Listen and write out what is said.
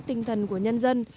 tinh thần của nhân dân